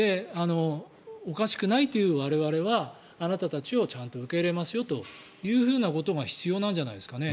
おかしくないという我々はあなたたちをちゃんと受け入れますよということが必要なんじゃないですかね。